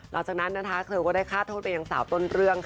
หลังจากนั้นนะคะเธอก็ได้ฆ่าโทษไปยังสาวต้นเรื่องค่ะ